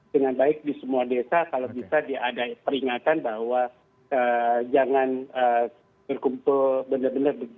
dengan baik di semua desa kalau bisa diadai peringatan bahwa jangan berkumpul benar benar